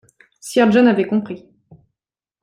Sir John avait compris.